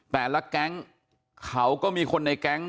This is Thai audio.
แต่ละแก๊งเขาก็มีคนในแก๊ง